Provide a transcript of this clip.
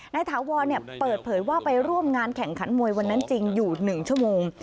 ถาวรเปิดเผยว่าไปร่วมงานแข่งขันมวยวันนั้นจริงอยู่๑ชั่วโมง